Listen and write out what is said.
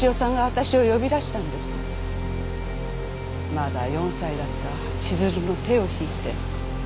まだ４歳だった千鶴の手を引いて。